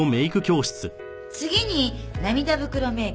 次に涙袋メイク。